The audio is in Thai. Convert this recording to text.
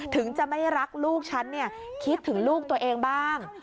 ถึงจะไม่รักลูกฉันเนี่ยคิดถึงลูกตัวเองบ้าง